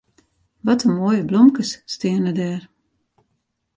Wat in moaie blomkes steane dêr.